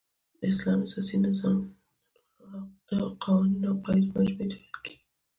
د اسلام سیاسی نظام د هغو قوانینو اوقواعدو مجموعی ته ویل کیږی